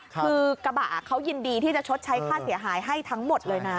คือกระบะเขายินดีที่จะชดใช้ค่าเสียหายให้ทั้งหมดเลยนะ